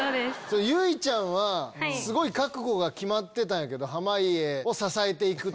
ゆいちゃんはすごい覚悟が決まってたんやけど濱家を支えて行く。